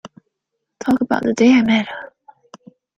Talk about the day I met her.